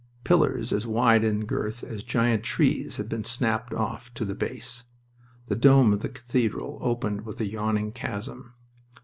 Pillars as wide in girth as giant trees had been snapped off to the base. The dome of the cathedral opened with a yawning chasm.